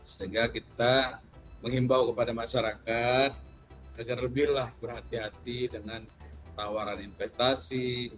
sehingga kita mengimbau kepada masyarakat agar lebihlah berhati hati dengan tawaran investasi